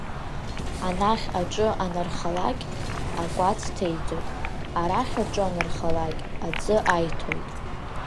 Анахь аҿы анархалакь, акәац ҭеиҵоит, арахь аҿы анархалакь, аӡы аиҭоит.